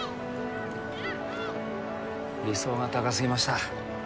理想が高すぎました